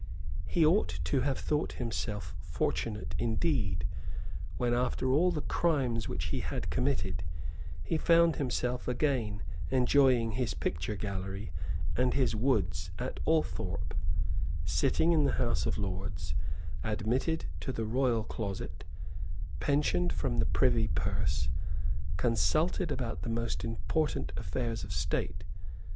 He ought to have thought himself fortunate indeed, when, after all the crimes which he had committed, he found himself again enjoying his picture gallery and his woods at Althorpe, sitting in the House of Lords, admitted to the royal closet, pensioned from the Privy Purse, consulted about the most important affairs of state.